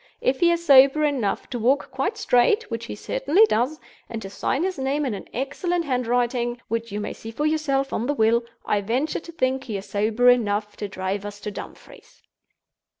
If he is sober enough to walk quite straight—which he certainly does—and to sign his name in an excellent handwriting—which you may see for yourself on the Will—I venture to think he is sober enough to drive us to Dumfries."